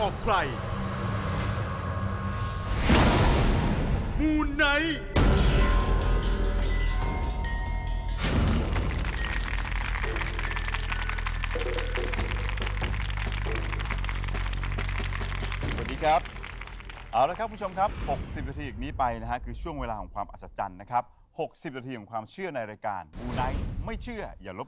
คืนนี้คุณจะเชื่อหรือไม่เชื่อ